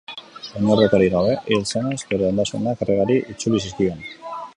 Oinordekorik gabe hil zenez, bere ondasunak erregeari itzuli zizkion.